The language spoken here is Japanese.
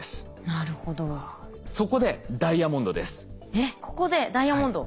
えっここでダイヤモンド。